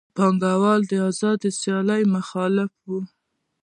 پانګوال د آزادې سیالۍ مخالف وو